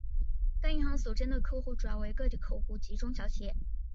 该银行所针对的客户主要为个体客户及中小企业。